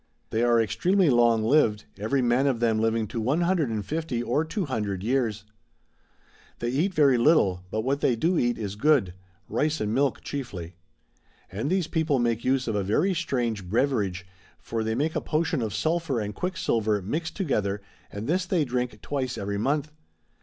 They are extremely long lived, every man of them living to 150 or 200 years. They eat very little, but what they do eat is good ; rice and milk chiefly. And these people make use of a very strange beverage ; for they make a potion of sulphur and quicksilver mixt to gether and this they drink twice every month.